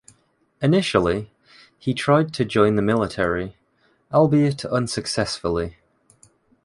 Initially, he tried to join the military, albeit unsuccessfully.